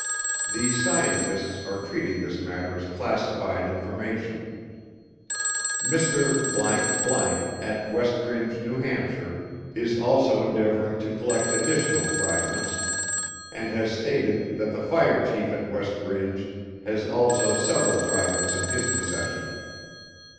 THESE SCIENTISTS ARE TREATING THIS MATTER AS CLASSIFIED INFORMATION. MR. ________ AT WEST RINDGE, N.H. IS ALSO ENDEAVORING TO COLLECT ADDITIONAL FRAGMENTS AND HAS STATED THAT THE FIRE CHIEF AT WEST RINDGE HAS ALSO SEVERAL FRAGMENTS IN HIS POSSESSION.